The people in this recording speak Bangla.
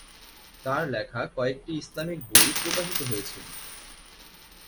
তার লেখা কয়েকটি ইসলামিক বই প্রকাশিত হয়েছিলো।